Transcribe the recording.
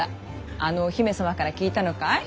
あのお姫様から聞いたのかい。